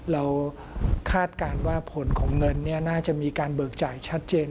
คาดการณ์ว่าผลของเงินน่าจะมีการเบิกจ่ายชัดเจน